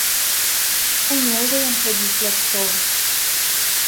Умеў жа ён хадзіць ля пчол!